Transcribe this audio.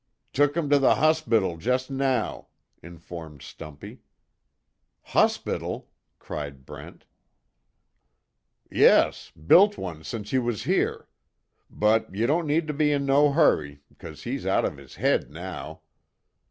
"Tuk him to the hospital jest now," informed Stumpy. "Hospital!" cried Brent. "Yes built one sence you was here. But, you don't need to be in no hurry, 'cause he's out of his head, now."